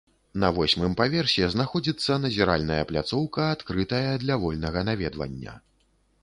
На восьмым паверсе знаходзіцца назіральная пляцоўка, адкрытая для вольнага наведвання.